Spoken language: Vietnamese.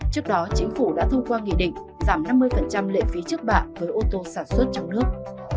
trước đó chính phủ đã thông qua nghị định giảm năm mươi lệ phí trước bạ với ô tô sản xuất trong nước